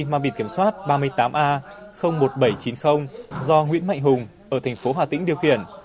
mang biệt kiểm soát ba mươi tám a một nghìn bảy trăm chín mươi do nguyễn mạnh hùng ở thành phố hà tĩnh điều khiển